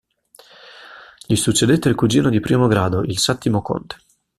Gli succedette il cugino di primo grado, il settimo conte.